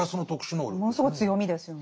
ものすごい強みですよね。